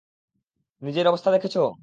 নিজের অবস্থা দেখেছো!